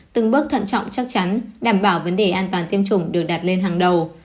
từng bước thận trọng chắc chắn đảm bảo vấn đề an toàn tiêm chủng được đặt lên hàng đầu